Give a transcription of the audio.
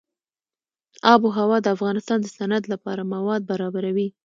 آب وهوا د افغانستان د صنعت لپاره مواد برابروي.